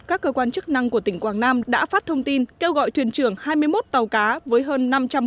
các cơ quan chức năng của tỉnh quảng nam đã phát thông tin kêu gọi thuyền trưởng hai mươi một tàu cá với hơn